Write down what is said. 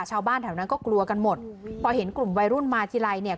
ชาวบ้านแถวนั้นก็กลัวกันหมดพอเห็นกลุ่มวัยรุ่นมาทีไรเนี่ย